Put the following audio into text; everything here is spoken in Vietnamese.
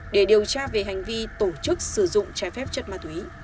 để điều tra về hành vi tổ chức sử dụng trái phép chất ma túy